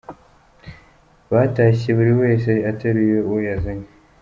Batashye buri wese ateruye uwo yazanye.